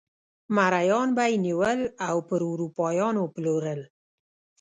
مریان به یې نیول او پر اروپایانو پلورل.